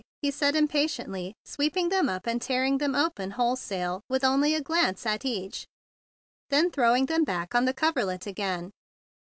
he said impa¬ tiently, sweeping them up and tearing them open wholesale with only a glance at each, then throwing them back on the coverlet again.